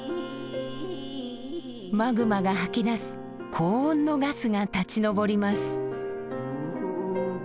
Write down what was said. マグマが吐き出す高温のガスが立ち上ります。